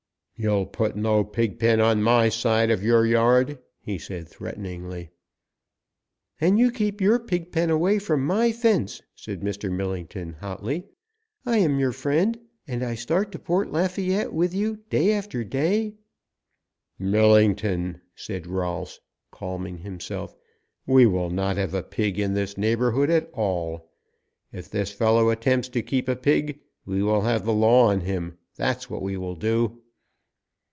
"You'll put no pig pen on my side of your yard!" he said threateningly. "And you keep your pig pen away from my fence," said Mr. Millington hotly. "I am your friend, and I start to Port Lafayette with you day after day " "Millington," said Rolfs, calming himself, "we will not have a pig in this neighbourhood at all. If this fellow attempts to keep a pig we will have the law on him. That is what we will do!"